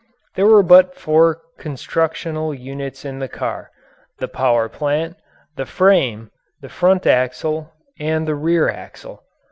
There were but four constructional units in the car the power plant, the frame, the front axle, and the rear axle.